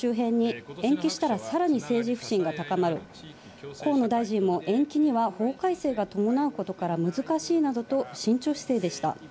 加藤大臣は周辺に延期したら、さらに政治不信が高まる、河野大臣も延期には法改正が伴うことから難しいなどと慎重姿勢でした。